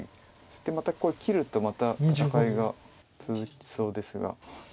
そしてまた切るとまた戦いが続きそうですが。